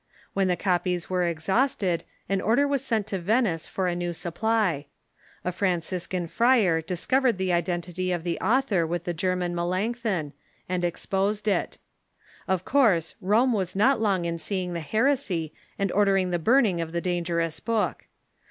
When the copies were exhausted an order was sent to Venice for a new supply. A Franciscan friar discovered the identity of the author with the German Melanchthon, and exposed it. Of course, Rome was not long in seeing the heresy and order ing the burning of the dangerous book.